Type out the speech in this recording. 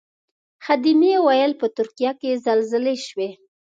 خدمې ویل په ترکیه کې زلزلې شوې.